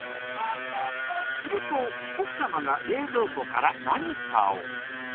すると奥様が冷蔵庫から何かを。